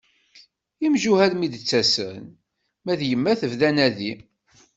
Imjuhad mi d-ttasen, ma d yemma tebda anadi.